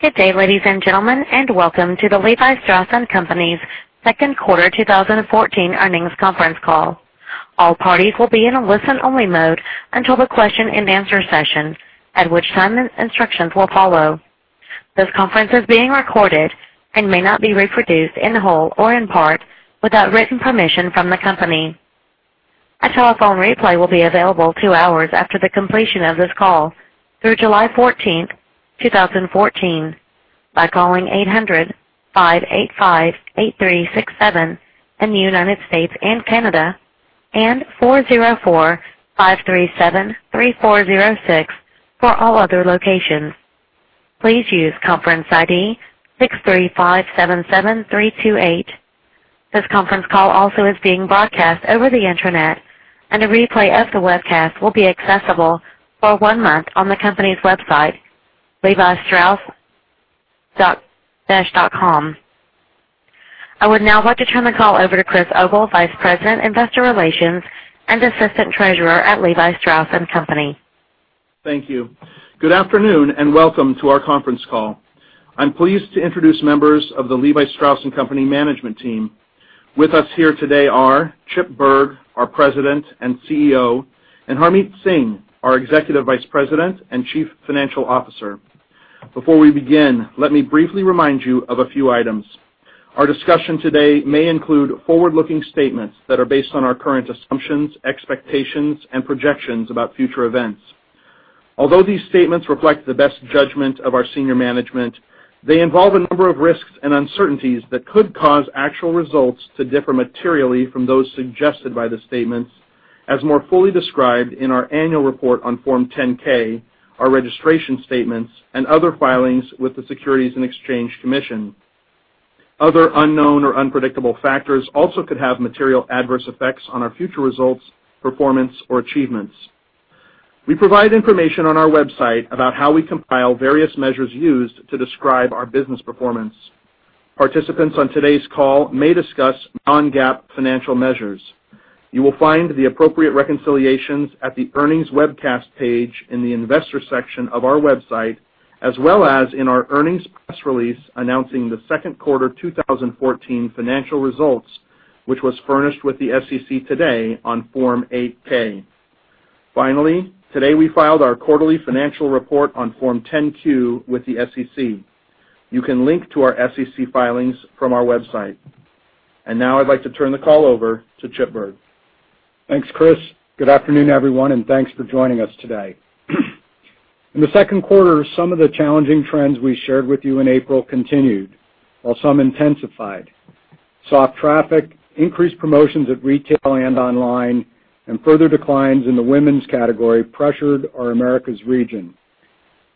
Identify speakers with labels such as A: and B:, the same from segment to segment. A: Good day, ladies and gentlemen, and welcome to the Levi Strauss & Co.'s second quarter 2014 earnings conference call. All parties will be in a listen-only mode until the question and answer session, at which time instructions will follow. This conference is being recorded and may not be reproduced in whole or in part without written permission from the company. A telephone replay will be available 2 hours after the completion of this call through July 14th, 2014, by calling 800-585-8367 in the U.S. and Canada, and 404-537-3406 for all other locations. Please use conference ID 63577328. This conference call also is being broadcast over the internet, and a replay of the webcast will be accessible for one month on the company's website, levistrauss.com. I would now like to turn the call over to Chris Ogle, Vice President, Investor Relations, and Assistant Treasurer at Levi Strauss & Co.
B: Thank you. Good afternoon, and welcome to our conference call. I'm pleased to introduce members of the Levi Strauss & Co. management team. With us here today are Chip Bergh, our President and CEO, and Harmit Singh, our Executive Vice President and Chief Financial Officer. Before we begin, let me briefly remind you of a few items. Our discussion today may include forward-looking statements that are based on our current assumptions, expectations, and projections about future events. Although these statements reflect the best judgment of our senior management, they involve a number of risks and uncertainties that could cause actual results to differ materially from those suggested by the statements as more fully described in our annual report on Form 10-K, our registration statements, and other filings with the Securities and Exchange Commission. Other unknown or unpredictable factors also could have material adverse effects on our future results, performance, or achievements. We provide information on our website about how we compile various measures used to describe our business performance. Participants on today's call may discuss non-GAAP financial measures. You will find the appropriate reconciliations at the earnings webcast page in the investor section of our website, as well as in our earnings press release announcing the second quarter 2014 financial results, which was furnished with the SEC today on Form 8-K. Finally, today we filed our quarterly financial report on Form 10-Q with the SEC. You can link to our SEC filings from our website. Now I'd like to turn the call over to Chip Bergh.
C: Thanks, Chris. Good afternoon, everyone, and thanks for joining us today. In the second quarter, some of the challenging trends we shared with you in April continued, while some intensified. Soft traffic, increased promotions at retail and online, and further declines in the women's category pressured our Americas region.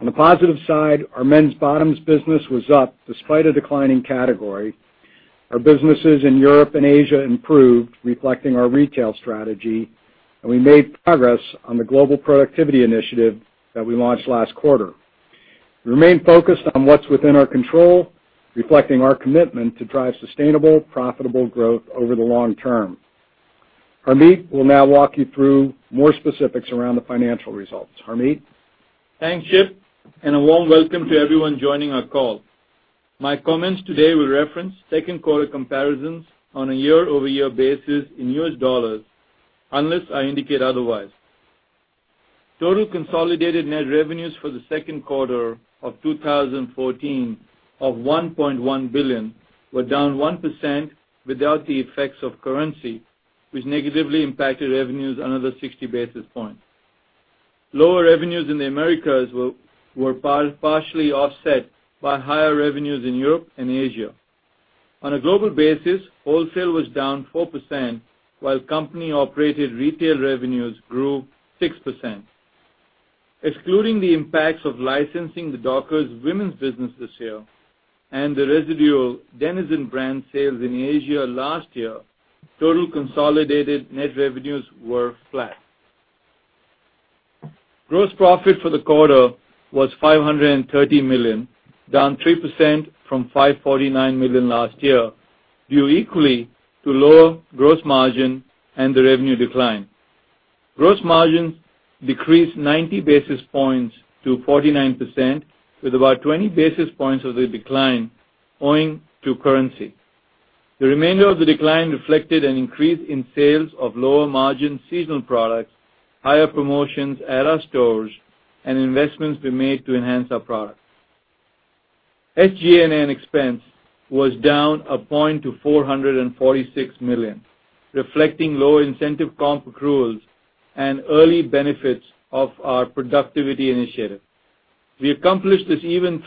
C: On the positive side, our men's bottoms business was up despite a decline in category. Our businesses in Europe and Asia improved, reflecting our retail strategy, and we made progress on the Global Productivity Initiative that we launched last quarter. We remain focused on what's within our control, reflecting our commitment to drive sustainable, profitable growth over the long term. Harmit will now walk you through more specifics around the financial results. Harmit?
D: Thanks, Chip, and a warm welcome to everyone joining our call. My comments today will reference second quarter comparisons on a year-over-year basis in US dollars, unless I indicate otherwise. Total consolidated net revenues for the second quarter of 2014 of $1.1 billion were down 1% without the effects of currency, which negatively impacted revenues another 60 basis points. Lower revenues in the Americas were partially offset by higher revenues in Europe and Asia. On a global basis, wholesale was down 4%, while company-operated retail revenues grew 6%. Excluding the impacts of licensing the Dockers women's business this year and the residual Denizen brand sales in Asia last year, total consolidated net revenues were flat. Gross profit for the quarter was $530 million, down 3% from $549 million last year, due equally to lower gross margin and the revenue decline. Gross margins decreased 90 basis points to 49%, with about 20 basis points of the decline owing to currency. The remainder of the decline reflected an increase in sales of lower margin seasonal products, higher promotions at our stores, and investments we made to enhance our products. SG&A expense was down a point to $446 million, reflecting lower incentive comp accruals and early benefits of our productivity initiative. We accomplished this even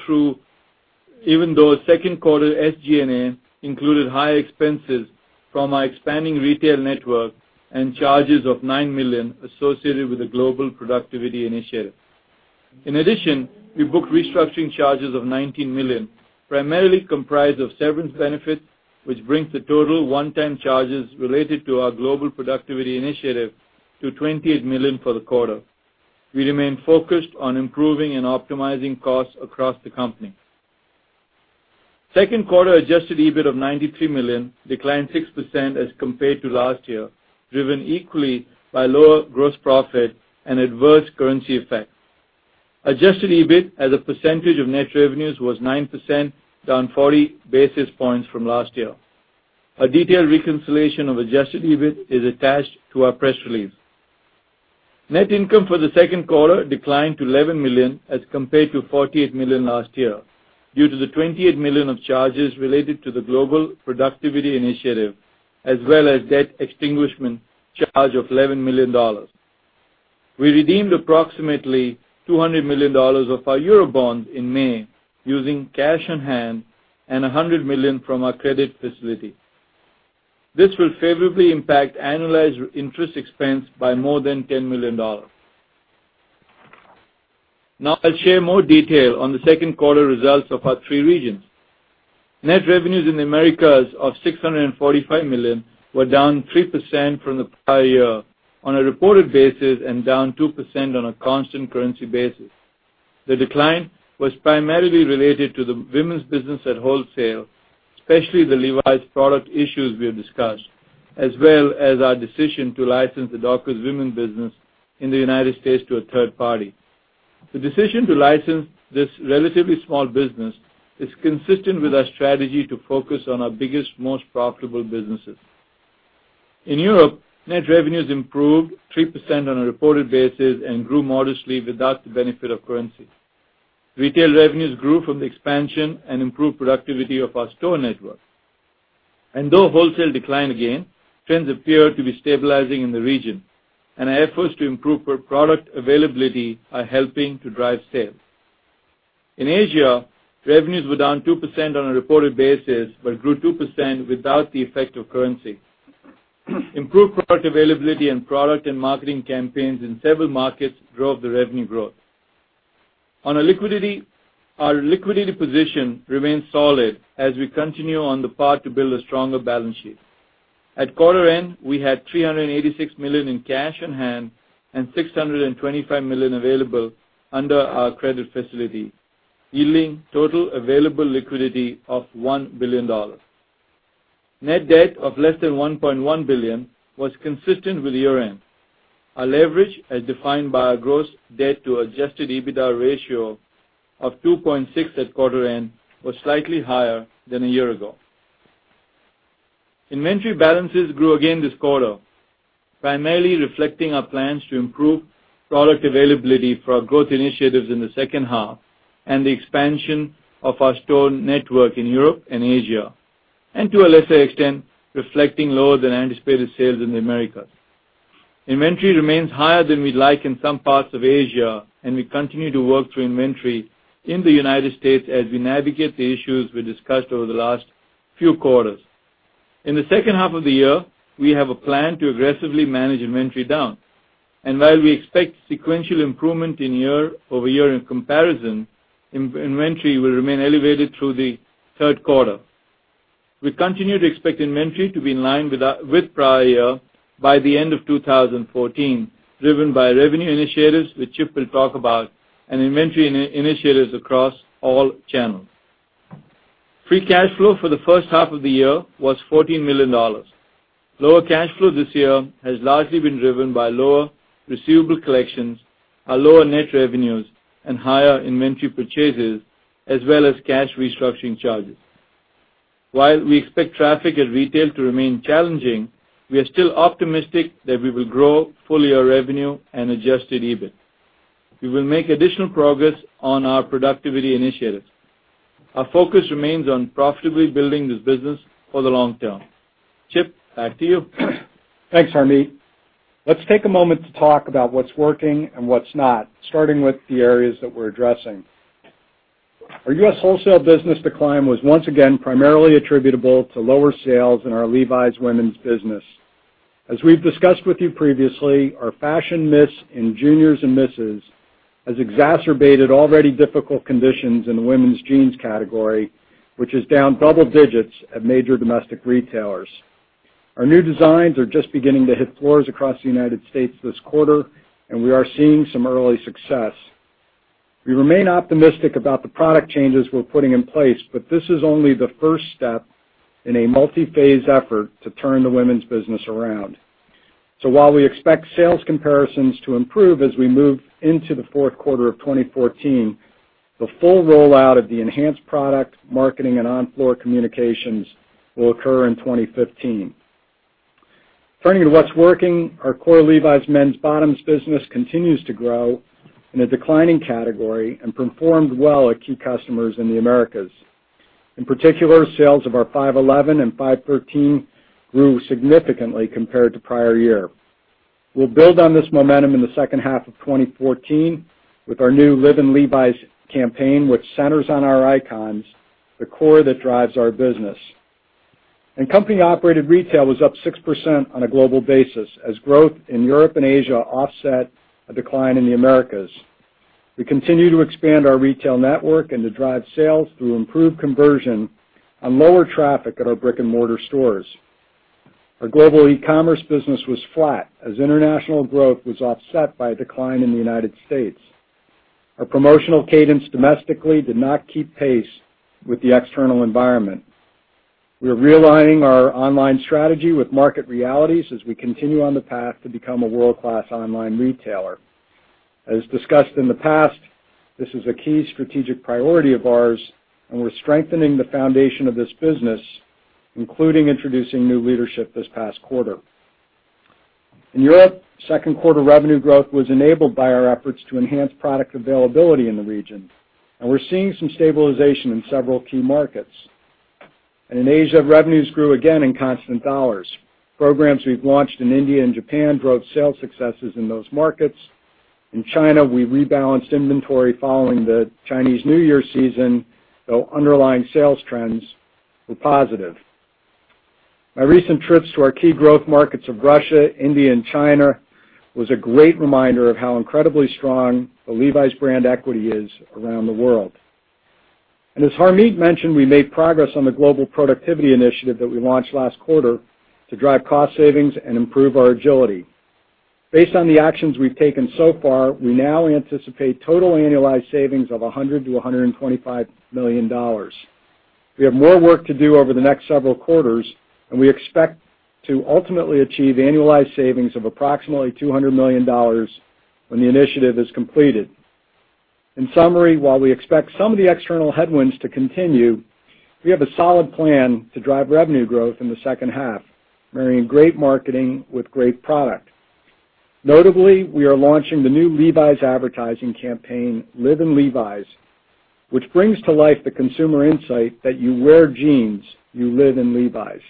D: though second quarter SG&A included high expenses from our expanding retail network and charges of $9 million associated with the Global Productivity Initiative. We booked restructuring charges of $19 million, primarily comprised of severance benefits, which brings the total one-time charges related to our Global Productivity Initiative to $28 million for the quarter. We remain focused on improving and optimizing costs across the company. Second quarter Adjusted EBIT of $93 million, declined 6% as compared to last year, driven equally by lower gross profit and adverse currency effect. Adjusted EBIT as a percentage of net revenues was 9%, down 40 basis points from last year. A detailed reconciliation of Adjusted EBIT is attached to our press release. Net income for the second quarter declined to $11 million as compared to $48 million last year, due to the $28 million of charges related to the Global Productivity Initiative, as well as debt extinguishment charge of $11 million. We redeemed approximately $200 million of our EUR bonds in May using cash on hand and $100 million from our credit facility. This will favorably impact annualized interest expense by more than $10 million. I'll share more detail on the second quarter results of our three regions. Net revenues in the Americas of $645 million were down 3% from the prior year on a reported basis and down 2% on a constant currency basis. The decline was primarily related to the women's business at wholesale, especially the Levi's product issues we have discussed, as well as our decision to license the Dockers women business in the U.S. to a third party. The decision to license this relatively small business is consistent with our strategy to focus on our biggest, most profitable businesses. In Europe, net revenues improved 3% on a reported basis and grew modestly without the benefit of currency. Retail revenues grew from the expansion and improved productivity of our store network. Though wholesale declined again, trends appear to be stabilizing in the region, and our efforts to improve product availability are helping to drive sales. In Asia, revenues were down 2% on a reported basis but grew 2% without the effect of currency. Improved product availability and product and marketing campaigns in several markets drove the revenue growth. Our liquidity position remains solid as we continue on the path to build a stronger balance sheet. At quarter end, we had $386 million in cash on hand and $625 million available under our credit facility, yielding total available liquidity of $1 billion. Net debt of less than $1.1 billion was consistent with year-end. Our leverage, as defined by our gross debt to Adjusted EBITDA ratio of 2.6 at quarter end, was slightly higher than a year ago. Inventory balances grew again this quarter, primarily reflecting our plans to improve product availability for our growth initiatives in the second half and the expansion of our store network in Europe and Asia, and to a lesser extent, reflecting lower than anticipated sales in the Americas. Inventory remains higher than we'd like in some parts of Asia, and we continue to work through inventory in the United States as we navigate the issues we discussed over the last few quarters. In the second half of the year, we have a plan to aggressively manage inventory down. While we expect sequential improvement in year-over-year comparison, inventory will remain elevated through the third quarter. We continue to expect inventory to be in line with prior year by the end of 2014, driven by revenue initiatives, which Chip will talk about, and inventory initiatives across all channels. Free cash flow for the first half of the year was $14 million. Lower cash flow this year has largely been driven by lower receivable collections, our lower net revenues, and higher inventory purchases, as well as cash restructuring charges. While we expect traffic at retail to remain challenging, we are still optimistic that we will grow full-year revenue and Adjusted EBIT. We will make additional progress on our productivity initiatives. Our focus remains on profitably building this business for the long term. Chip, back to you.
C: Thanks, Harmit. Let's take a moment to talk about what's working and what's not, starting with the areas that we're addressing. Our U.S. wholesale business decline was once again primarily attributable to lower sales in our Levi's women's business. As we've discussed with you previously, our fashion miss in juniors and misses has exacerbated already difficult conditions in the women's jeans category, which is down double digits at major domestic retailers. Our new designs are just beginning to hit floors across the United States this quarter, and we are seeing some early success. We remain optimistic about the product changes we're putting in place, but this is only the first step in a multi-phase effort to turn the women's business around. While we expect sales comparisons to improve as we move into the fourth quarter of 2014, the full rollout of the enhanced product marketing and on-floor communications will occur in 2015. Turning to what's working, our core Levi's men's bottoms business continues to grow in a declining category and performed well at key customers in the Americas. In particular, sales of our 511 and 513 grew significantly compared to prior year. We'll build on this momentum in the second half of 2014 with our new Live in Levi's campaign, which centers on our icons, the core that drives our business. Company-operated retail was up 6% on a global basis as growth in Europe and Asia offset a decline in the Americas. We continue to expand our retail network and to drive sales through improved conversion on lower traffic at our brick-and-mortar stores. Our global e-commerce business was flat as international growth was offset by a decline in the U.S. Our promotional cadence domestically did not keep pace with the external environment. We are realigning our online strategy with market realities as we continue on the path to become a world-class online retailer. As discussed in the past, this is a key strategic priority of ours, and we're strengthening the foundation of this business, including introducing new leadership this past quarter. In Europe, second quarter revenue growth was enabled by our efforts to enhance product availability in the region, and we're seeing some stabilization in several key markets. In Asia, revenues grew again in constant dollars. Programs we've launched in India and Japan drove sales successes in those markets. In China, we rebalanced inventory following the Chinese New Year season, though underlying sales trends were positive. My recent trips to our key growth markets of Russia, India, and China was a great reminder of how incredibly strong the Levi's brand equity is around the world. As Harmit mentioned, we made progress on the Global Productivity Initiative that we launched last quarter to drive cost savings and improve our agility. Based on the actions we've taken so far, we now anticipate total annualized savings of $100 million-$125 million. We have more work to do over the next several quarters, and we expect to ultimately achieve annualized savings of approximately $200 million when the initiative is completed. In summary, while we expect some of the external headwinds to continue, we have a solid plan to drive revenue growth in the second half, marrying great marketing with great product. Notably, we are launching the new Levi's advertising campaign, Live in Levi's, which brings to life the consumer insight that you wear jeans, you live in Levi's.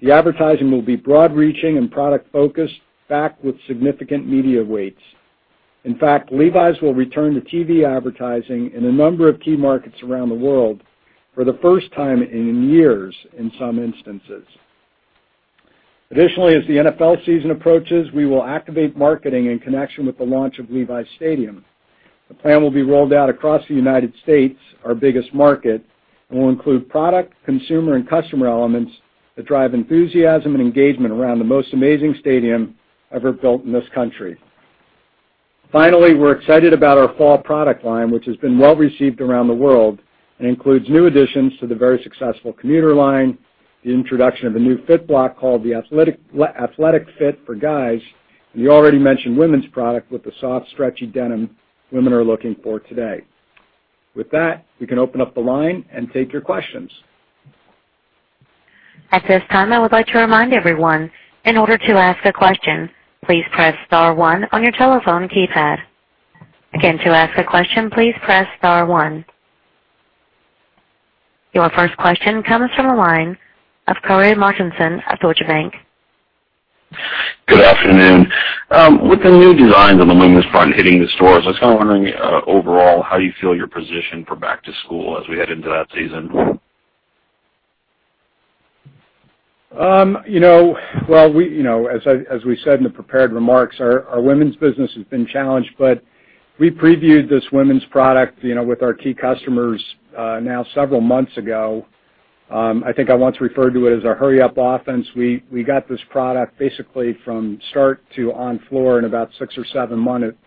C: The advertising will be broad reaching and product focused, backed with significant media weights. In fact, Levi's will return to TV advertising in a number of key markets around the world for the first time in years, in some instances. Additionally, as the NFL season approaches, we will activate marketing in connection with the launch of Levi's Stadium. The plan will be rolled out across the U.S., our biggest market, and will include product, consumer, and customer elements that drive enthusiasm and engagement around the most amazing stadium ever built in this country. We're excited about our fall product line, which has been well received around the world and includes new additions to the very successful commuter line, the introduction of a new fit block called the Athletic Fit for guys, and the already mentioned women's product with the soft, stretchy denim women are looking for today. With that, we can open up the line and take your questions.
A: At this time, I would like to remind everyone, in order to ask a question, please press star one on your telephone keypad. Again, to ask a question, please press star one. Your first question comes from the line of Corey Martinson at Deutsche Bank.
E: Good afternoon. With the new designs on the women's front hitting the stores, I was kind of wondering, overall, how you feel you're positioned for back to school as we head into that season.
C: Well, as we said in the prepared remarks, our women's business has been challenged, but we previewed this women's product with our key customers now several months ago. I think I once referred to it as our hurry up offense. We got this product basically from start to on floor in about six or seven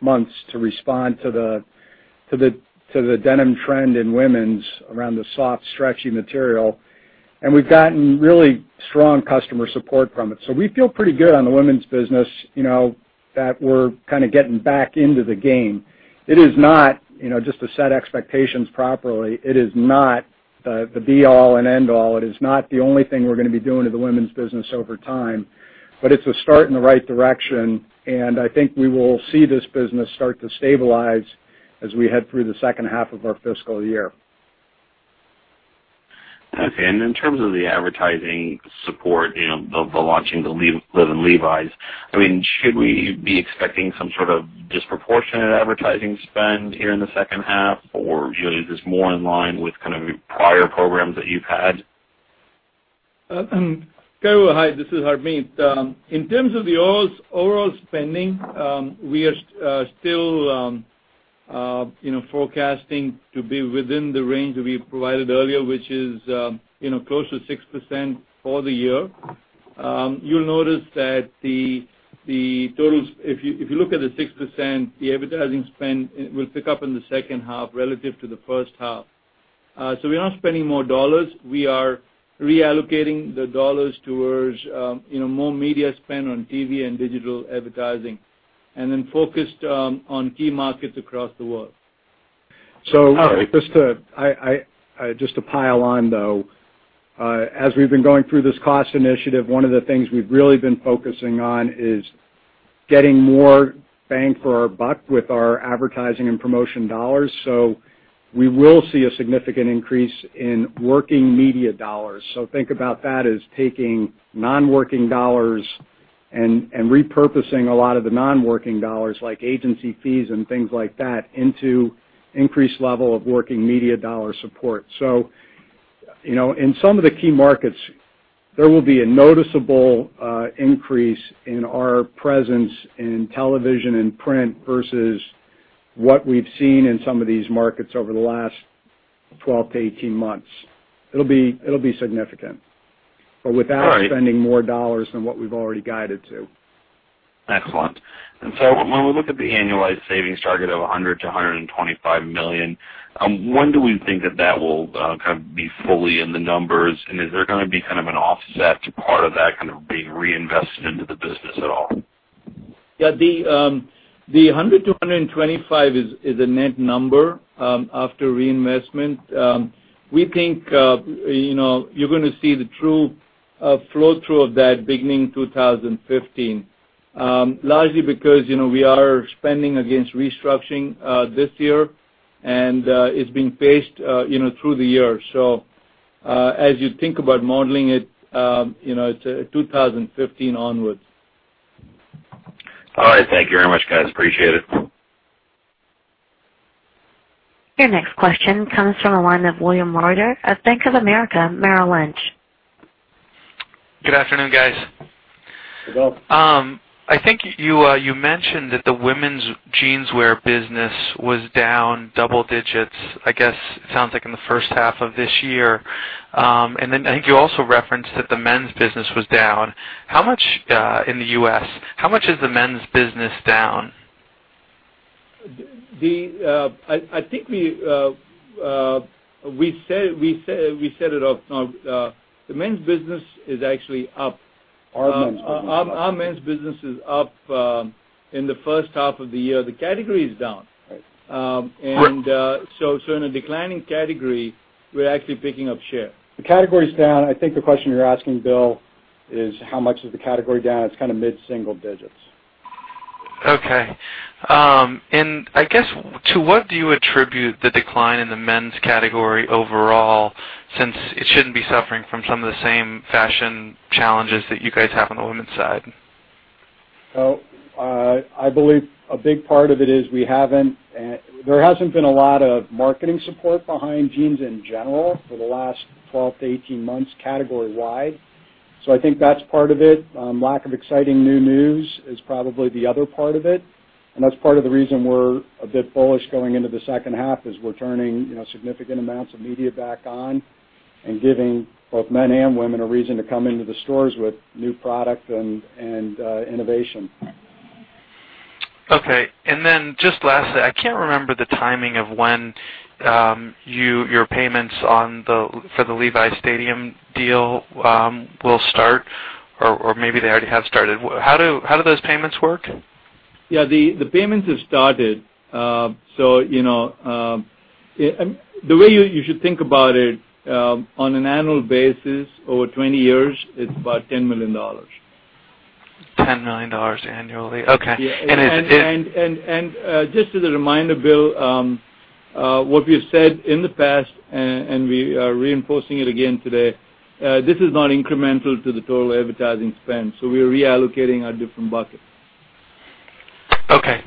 C: months to respond to the denim trend in women's around the soft, stretchy material. We've gotten really strong customer support from it. We feel pretty good on the women's business, that we're kind of getting back into the game. Just to set expectations properly, it is not the be all and end all. It is not the only thing we're going to be doing to the women's business over time. It's a start in the right direction, and I think we will see this business start to stabilize as we head through the second half of our fiscal year.
E: Okay. In terms of the advertising support, the launching the Live in Levi's, should we be expecting some sort of disproportionate advertising spend here in the second half? Or is this more in line with kind of your prior programs that you've had?
D: Corey, hi. This is Harmit. In terms of the overall spending, we are still forecasting to be within the range that we provided earlier, which is close to 6% for the year. You'll notice that the totals, if you look at the 6%, the advertising spend will pick up in the second half relative to the first half. We're not spending more dollars. We are reallocating the dollars towards more media spend on TV and digital advertising, focused on key markets across the world.
E: All right.
C: Just to pile on, though. As we've been going through this cost initiative, one of the things we've really been focusing on is getting more bang for our buck with our advertising and promotion dollars. We will see a significant increase in working media dollars. Think about that as taking non-working dollars and repurposing a lot of the non-working dollars, like agency fees and things like that, into increased level of working media dollar support. In some of the key markets, there will be a noticeable increase in our presence in television and print versus what we've seen in some of these markets over the last 12-18 months. It'll be significant.
E: All right.
C: Without spending more dollars than what we've already guided to.
E: Excellent. When we look at the annualized savings target of $100 million-$125 million, when do we think that that will be fully in the numbers? Is there going to be an offset to part of that being reinvested into the business at all?
D: Yeah. The $100 to $125 is a net number, after reinvestment. We think you're going to see the true flow through of that beginning 2015. Largely because we are spending against restructuring this year, and it's being paced through the year. As you think about modeling it's 2015 onwards.
E: All right. Thank you very much, guys. Appreciate it.
A: Your next question comes from the line of William Reuter at Bank of America Merrill Lynch.
F: Good afternoon, guys.
D: Hello.
F: I think you mentioned that the women's jeans wear business was down double digits, I guess, it sounds like in the first half of this year. I think you also referenced that the men's business was down. In the U.S., how much is the men's business down?
D: I think we said it. The men's business is actually up.
C: Our men's business is up.
D: Our men's business is up in the first half of the year. The category is down.
C: Right.
D: In a declining category, we're actually picking up share.
C: The category's down. I think the question you're asking, Bill, is how much is the category down? It's mid-single digits.
F: Okay. I guess, to what do you attribute the decline in the men's category overall, since it shouldn't be suffering from some of the same fashion challenges that you guys have on the women's side?
C: Well, I believe a big part of it is there hasn't been a lot of marketing support behind jeans in general for the last 12 to 18 months category wide. I think that's part of it. Lack of exciting new news is probably the other part of it, and that's part of the reason we're a bit bullish going into the second half, is we're turning significant amounts of media back on and giving both men and women a reason to come into the stores with new product and innovation.
F: Okay. Then just lastly, I can't remember the timing of when your payments for the Levi's Stadium deal will start, or maybe they already have started. How do those payments work?
D: Yeah, the payments have started. The way you should think about it, on an annual basis over 20 years, it's about $10 million.
F: $10 million annually, okay.
D: Yeah. Just as a reminder, Bill, what we've said in the past, and we are reinforcing it again today, this is not incremental to the total advertising spend. We are reallocating our different buckets.
F: Okay.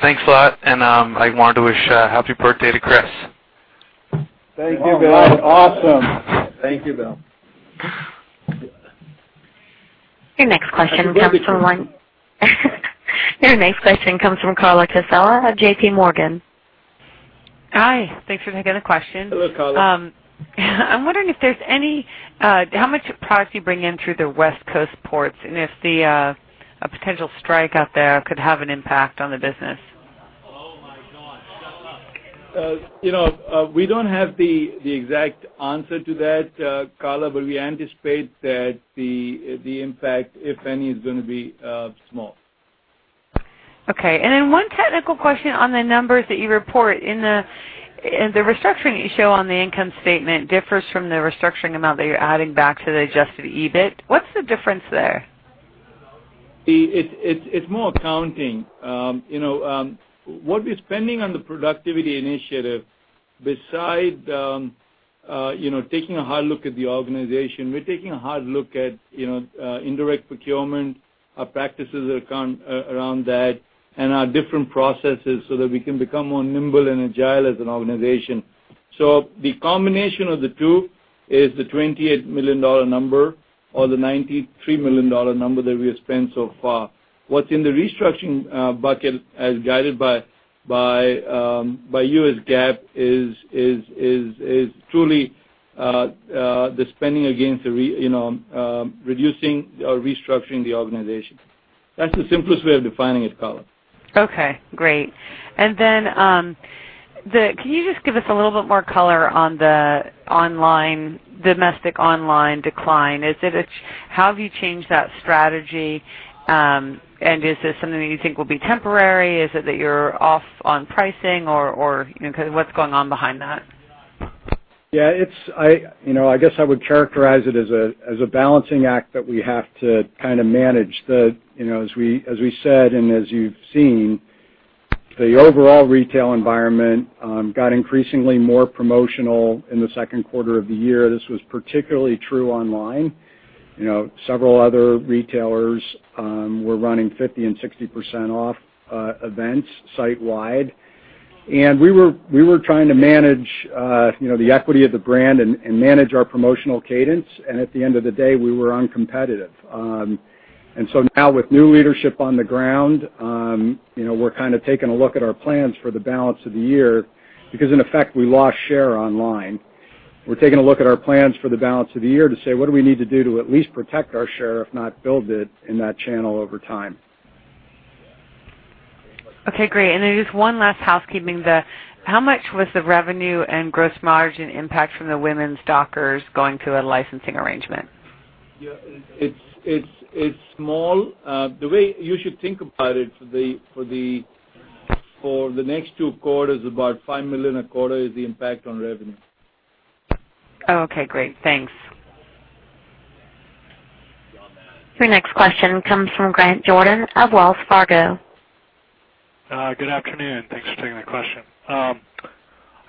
F: Thanks a lot. I wanted to wish a happy birthday to Chris.
D: Thank you, Bill. Awesome.
C: Thank you, Bill.
A: Your next question comes from Carla Casella at JPMorgan.
G: Hi. Thanks for taking the question.
D: Hello, Carla.
G: I'm wondering how much product you bring in through the West Coast ports, if a potential strike out there could have an impact on the business?
D: We don't have the exact answer to that, Carla, we anticipate that the impact, if any, is gonna be small.
G: Okay. One technical question on the numbers that you report. The restructuring that you show on the income statement differs from the restructuring amount that you're adding back to the Adjusted EBIT. What's the difference there?
D: It's more accounting. What we're spending on the productivity initiative, beside taking a hard look at the organization, we're taking a hard look at indirect procurement, our practices around that, and our different processes so that we can become more nimble and agile as an organization. The combination of the two is the $28 million number, or the $93 million number that we have spent so far. What's in the restructuring bucket, as guided by US GAAP is truly the spending against reducing or restructuring the organization. That's the simplest way of defining it, Carla.
G: Okay, great. Can you just give us a little bit more color on the domestic online decline. How have you changed that strategy, and is this something that you think will be temporary? Is it that you're off on pricing or what's going on behind that?
C: Yeah. I guess I would characterize it as a balancing act that we have to kind of manage. As we said and as you've seen, the overall retail environment got increasingly more promotional in the second quarter of the year. This was particularly true online. Several other retailers were running 50% and 60% off events site-wide. We were trying to manage the equity of the brand and manage our promotional cadence, and at the end of the day, we were uncompetitive. Now with new leadership on the ground, we're taking a look at our plans for the balance of the year, because in effect, we lost share online. We're taking a look at our plans for the balance of the year to say, what do we need to do to at least protect our share, if not build it in that channel over time?
G: Okay, great. Just one last housekeeping. How much was the revenue and gross margin impact from the women's Dockers going to a licensing arrangement?
D: Yeah, it's small. The way you should think about it for the next two quarters, about $5 million a quarter is the impact on revenue.
G: Okay. Great. Thanks.
A: Your next question comes from Grant Jordan of Wells Fargo.
H: Good afternoon. Thanks for taking my question. I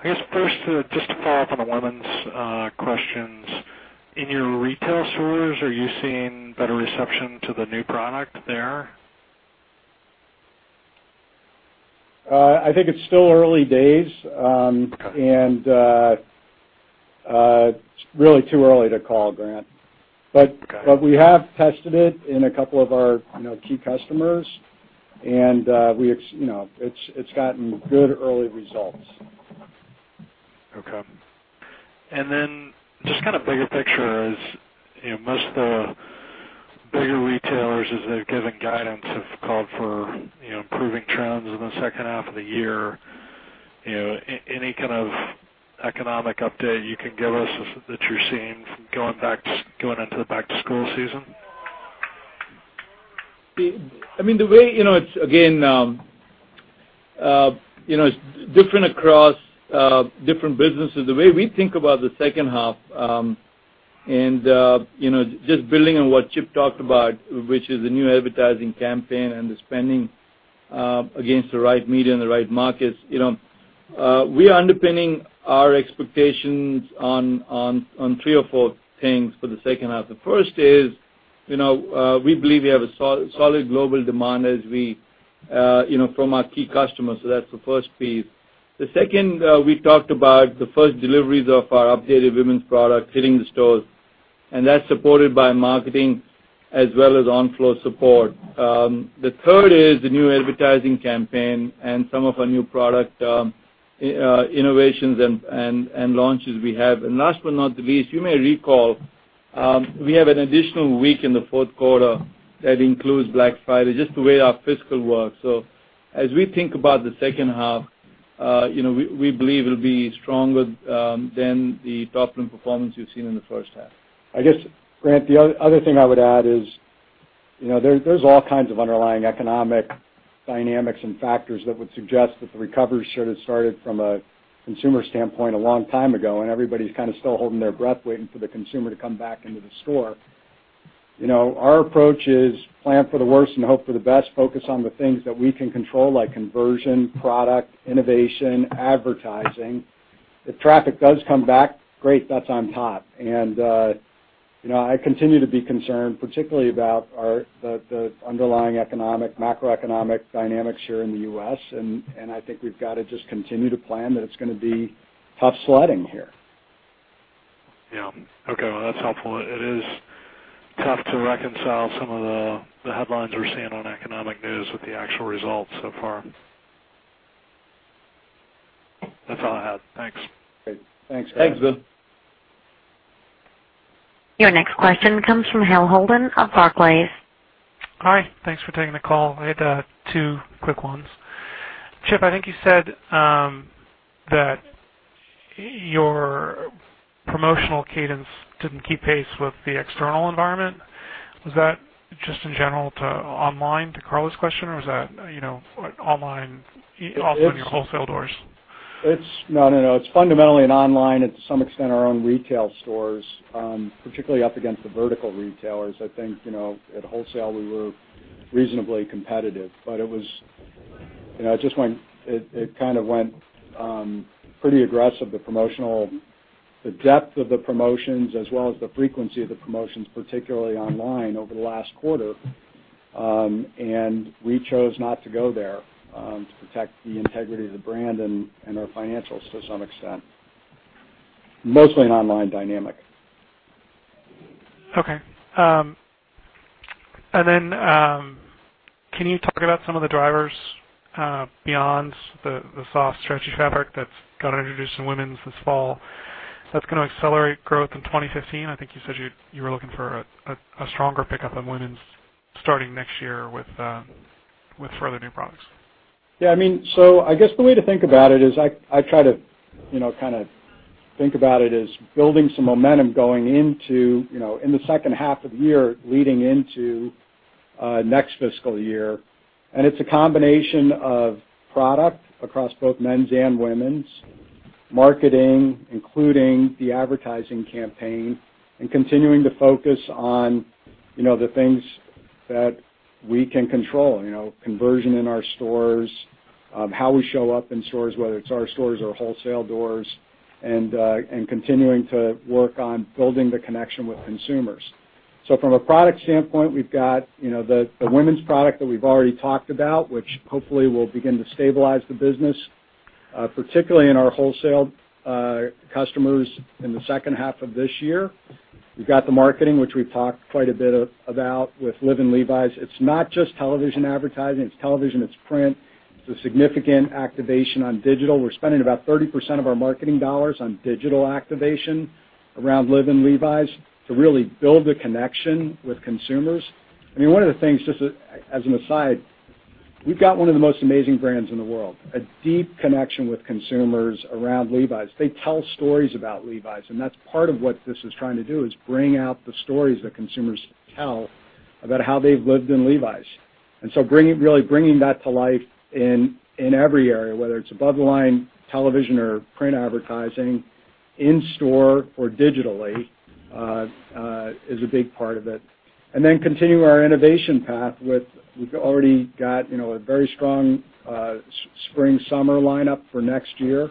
H: guess first, just to follow up on the women's questions. In your retail stores, are you seeing better reception to the new product there?
C: I think it's still early days.
H: Okay.
C: It's really too early to call, Grant.
H: Okay.
C: We have tested it in a couple of our key customers, and it's gotten good early results.
H: Okay. Just bigger picture is, most of the bigger retailers, as they've given guidance, have called for improving trends in the second half of the year. Any kind of economic update you can give us that you're seeing from going into the back-to-school season?
D: Again, it's different across different businesses. The way we think about the second half, and just building on what Chip talked about, which is the new advertising campaign and the spending against the right media and the right markets. We are underpinning our expectations on three or four things for the second half. The first is, we believe we have a solid global demand from our key customers. That's the first piece. The second, we talked about the first deliveries of our updated women's product hitting the stores, and that's supported by marketing as well as on-floor support. The third is the new advertising campaign and some of our new product innovations and launches we have. Last but not the least, you may recall, we have an additional week in the fourth quarter that includes Black Friday, just the way our fiscal works. As we think about the second half, we believe it'll be stronger than the top-line performance you've seen in the first half.
C: I guess, Grant, the other thing I would add is, there's all kinds of underlying economic dynamics and factors that would suggest that the recovery should have started from a consumer standpoint a long time ago, and everybody's kind of still holding their breath, waiting for the consumer to come back into the store. Our approach is plan for the worst and hope for the best. Focus on the things that we can control, like conversion, product, innovation, advertising. If traffic does come back, great, that's on top. I continue to be concerned, particularly about the underlying economic, macroeconomic dynamics here in the U.S., and I think we've got to just continue to plan that it's going to be tough sledding here.
H: Yeah. Okay. Well, that's helpful. It is tough to reconcile some of the headlines we're seeing on economic news with the actual results so far. That's all I had. Thanks.
C: Great. Thanks.
D: Thanks.
A: Your next question comes from Robert Drbul of Barclays.
I: Hi. Thanks for taking the call. I had two quick ones. Chip, I think you said that your promotional cadence didn't keep pace with the external environment. Was that just in general to online, to Carla's question, or was that online off on your wholesale doors?
C: No. It's fundamentally in online, at some extent, our own retail stores, particularly up against the vertical retailers. I think, at wholesale, we were reasonably competitive. It kind of went pretty aggressive, the depth of the promotions as well as the frequency of the promotions, particularly online over the last quarter. We chose not to go there to protect the integrity of the brand and our financials to some extent. Mostly an online dynamic.
I: Okay. Can you talk about some of the drivers beyond the soft stretchy fabric that's got introduced in women's this fall that's going to accelerate growth in 2015? I think you said you were looking for a stronger pickup in women's starting next year with further new products.
C: Yeah. I guess the way to think about it is I try to think about it as building some momentum going into, in the second half of the year, leading into next fiscal year. It's a combination of product across both men's and women's, marketing, including the advertising campaign, and continuing to focus on the things that we can control. Conversion in our stores, how we show up in stores, whether it's our stores or wholesale doors, and continuing to work on building the connection with consumers. From a product standpoint, we've got the women's product that we've already talked about, which hopefully will begin to stabilize the business particularly in our wholesale customers in the second half of this year. We've got the marketing, which we've talked quite a bit about with Live in Levi's. It's not just television advertising. It's television, it's print. There's a significant activation on digital. We're spending about 30% of our marketing dollars on digital activation around Live in Levi's to really build the connection with consumers. One of the things, just as an aside, we've got one of the most amazing brands in the world, a deep connection with consumers around Levi's. They tell stories about Levi's, and that's part of what this is trying to do, is bring out the stories that consumers tell about how they've lived in Levi's. Really bringing that to life in every area, whether it's above the line television or print advertising, in store or digitally, is a big part of it. Continue our innovation path. We've already got a very strong spring/summer lineup for next year,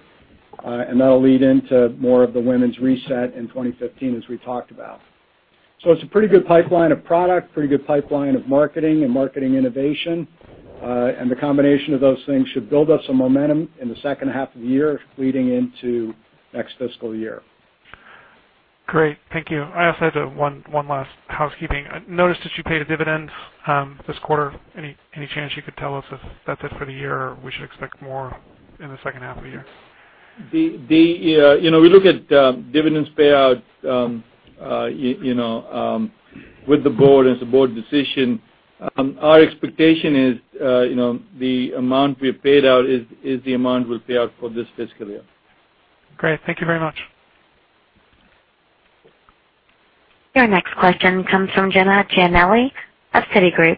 C: and that'll lead into more of the women's reset in 2015, as we talked about. It's a pretty good pipeline of product, pretty good pipeline of marketing and marketing innovation. The combination of those things should build us some momentum in the second half of the year leading into next fiscal year.
I: Great. Thank you. I also have one last housekeeping. I noticed that you paid a dividend this quarter. Any chance you could tell us if that's it for the year, or we should expect more in the second half of the year?
D: We look at dividends payout with the board, and it's a board decision. Our expectation is the amount we have paid out is the amount we'll pay out for this fiscal year.
I: Great. Thank you very much.
A: Your next question comes from Kate McShane of Citigroup.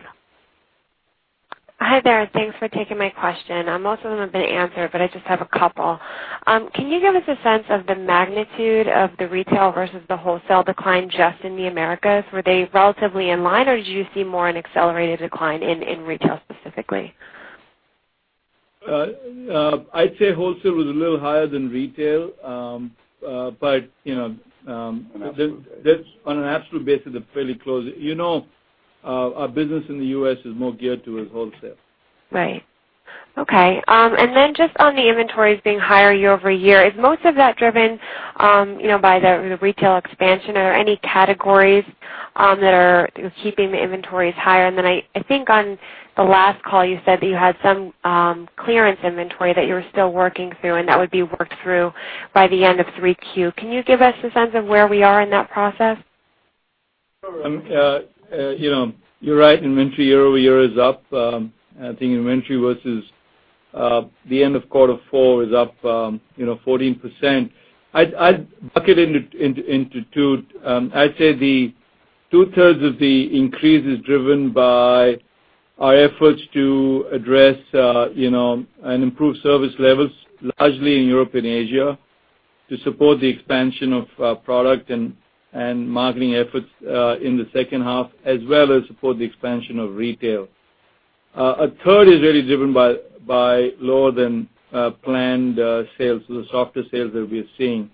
J: Hi there. Thanks for taking my question. Most of them have been answered, but I just have a couple. Can you give us a sense of the magnitude of the retail versus the wholesale decline just in the Americas? Were they relatively in line, or did you see more an accelerated decline in retail specifically?
D: I'd say wholesale was a little higher than retail.
C: On an absolute basis.
D: On an absolute basis, it's fairly close. Our business in the U.S. is more geared towards wholesale.
J: Right. Okay. Just on the inventories being higher year-over-year, is most of that driven by the retail expansion, or are any categories that are keeping the inventories higher? I think on the last call, you said that you had some clearance inventory that you were still working through, and that would be worked through by the end of three Q. Can you give us a sense of where we are in that process?
D: You're right. Inventory year-over-year is up. I think inventory versus the end of quarter four is up 14%. I'd bucket it into two. I'd say the two-thirds of the increase is driven by our efforts to address and improve service levels largely in Europe and Asia to support the expansion of product and marketing efforts in the second half, as well as support the expansion of retail. A third is really driven by lower than planned sales, so the softer sales that we are seeing.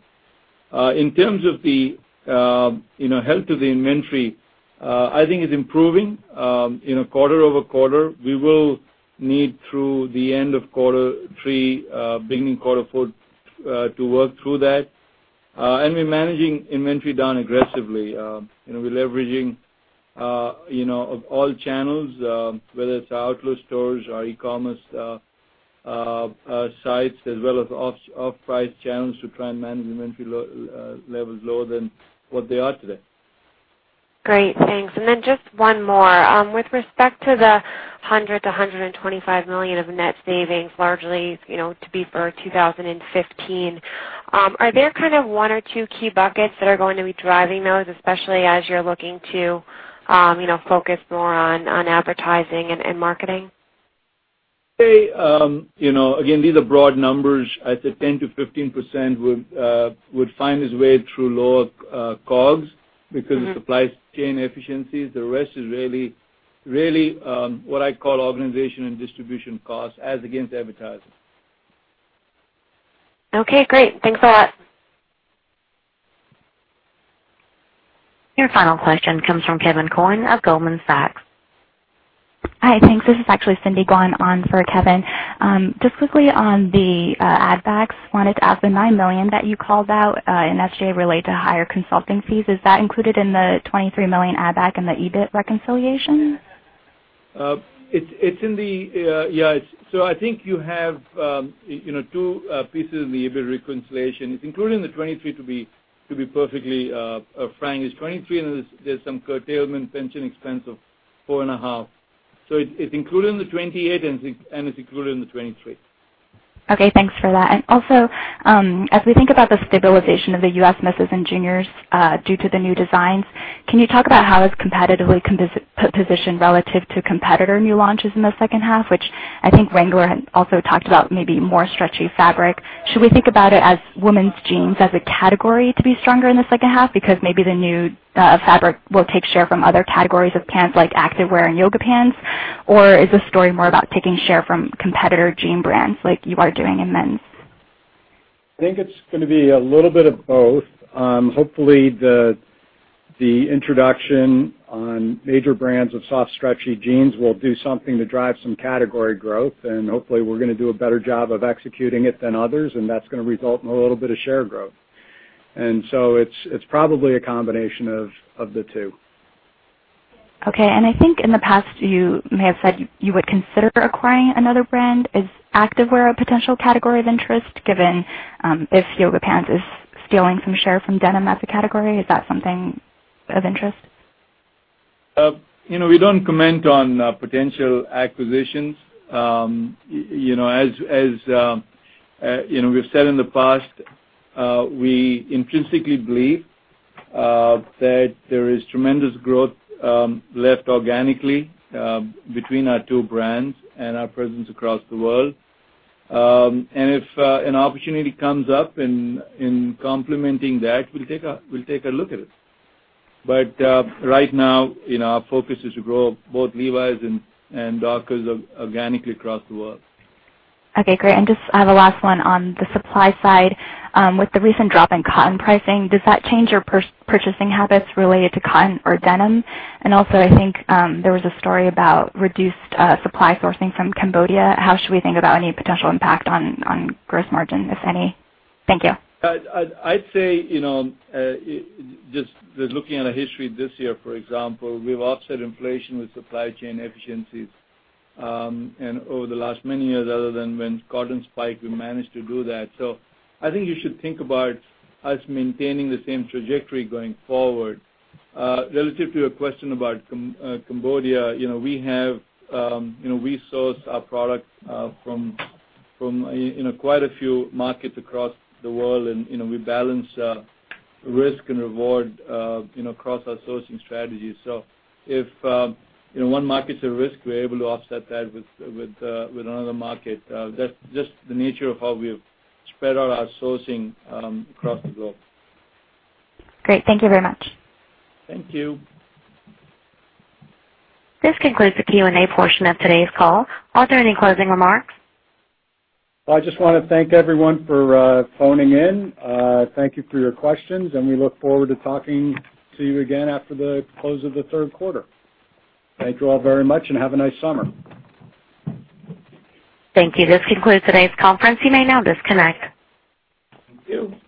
D: In terms of the health of the inventory, I think it's improving quarter-over-quarter. We will need through the end of quarter three, beginning quarter four, to work through that. We're managing inventory down aggressively. We're leveraging all channels, whether it's our outlet stores, our e-commerce sites, as well as off-price channels to try and manage inventory levels lower than what they are today.
J: Then just one more. With respect to the $100 million-$125 million of net savings, largely to be for 2015, are there one or two key buckets that are going to be driving those, especially as you're looking to focus more on advertising and marketing?
D: These are broad numbers. I'd say 10%-15% would find its way through lower COGS because of supply chain efficiencies. The rest is really what I'd call organization and distribution costs as against advertising.
J: Okay, great. Thanks a lot.
A: Your final question comes from Kevin Coyne of Goldman Sachs.
K: Hi. Thanks. This is actually Cindy Guan on for Kevin. Just quickly on the add backs, wanted to ask, the $9 million that you called out in SG&A related to higher consulting fees, is that included in the $23 million add back in the EBIT reconciliation?
D: I think you have two pieces in the EBIT reconciliation. It's included in the $23 million, to be perfectly frank. It's $23 million, there's some curtailment pension expense of four and a half. It's included in the $28 million, and it's included in the $23 million.
K: Okay, thanks for that. Also, as we think about the stabilization of the U.S. misses and juniors due to the new designs, can you talk about how it's competitively positioned relative to competitor new launches in the second half, which I think Wrangler had also talked about maybe more stretchy fabric. Should we think about it as women's jeans as a category to be stronger in the second half because maybe the new fabric will take share from other categories of pants like activewear and yoga pants? Is this story more about taking share from competitor jean brands like you are doing in men's?
C: I think it's going to be a little bit of both. Hopefully, the introduction on major brands of soft, stretchy jeans will do something to drive some category growth, and hopefully we're going to do a better job of executing it than others, and that's going to result in a little bit of share growth. It's probably a combination of the two.
K: Okay. I think in the past, you may have said you would consider acquiring another brand. Is activewear a potential category of interest, given if yoga pants is stealing some share from denim as a category? Is that something of interest?
D: We don't comment on potential acquisitions. As we've said in the past, we intrinsically believe that there is tremendous growth left organically between our two brands and our presence across the world. If an opportunity comes up in complementing that, we'll take a look at it. Right now, our focus is to grow both Levi's and Dockers organically across the world.
K: Okay, great. Just, I have a last one on the supply side. With the recent drop in cotton pricing, does that change your purchasing habits related to cotton or denim? Also, I think there was a story about reduced supply sourcing from Cambodia. How should we think about any potential impact on gross margin, if any? Thank you.
D: I'd say, just looking at a history this year, for example, we've offset inflation with supply chain efficiencies. Over the last many years, other than when cotton spiked, we managed to do that. I think you should think about us maintaining the same trajectory going forward. Relative to your question about Cambodia, we source our product from quite a few markets across the world, and we balance risk and reward across our sourcing strategies. If one market's a risk, we're able to offset that with another market. That's just the nature of how we've spread out our sourcing across the globe.
K: Great. Thank you very much.
D: Thank you.
A: This concludes the Q&A portion of today's call. Are there any closing remarks?
C: I just want to thank everyone for phoning in. Thank you for your questions. We look forward to talking to you again after the close of the third quarter. Thank you all very much and have a nice summer.
A: Thank you. This concludes today's conference. You may now disconnect.
D: Thank you.